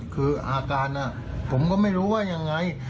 คืออาการผมก็ไม่รู้ว่ายังไง